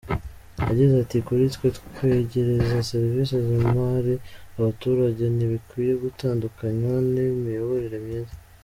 Yagize ati “Kuri twe kwegereza serivisi z’imari abaturage ntibikwiye gutandukanywa n’imiyoborere myiza.